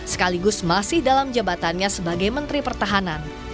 sekaligus masih dalam jabatannya sebagai menteri pertahanan